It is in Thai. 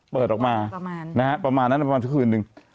เปิดออกมาประมาณนั้นประมาณทุกคืนหนึ่ง